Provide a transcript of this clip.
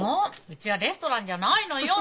うちはレストランじゃないのよ。